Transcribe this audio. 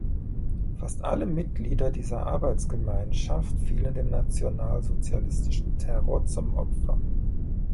Fast alle Mitglieder dieser Arbeitsgemeinschaft fielen dem nationalsozialistischen Terror zum Opfer.